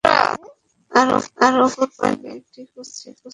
আর অপর পায়ের নিচে আছে একটি শকুন ও ওঁৎ পেতে থাকা একটি সিংহ।